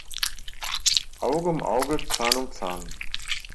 Auge um Auge, Zahn um Zahn.